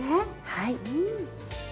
はい。